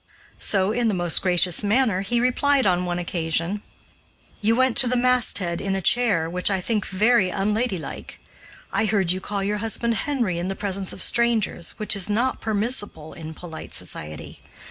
So, in the most gracious manner, he replied on one occasion: "You went to the masthead in a chair, which I think very unladylike. I heard you call your husband 'Henry' in the presence of strangers, which is not permissible in polite society.